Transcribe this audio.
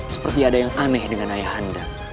seperti ada yang aneh dengan ayah anda